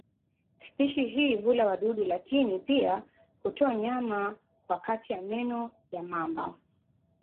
Spishi hii hula wadudu lakini pia hutoa nyama kwa kati ya meno ya mamba.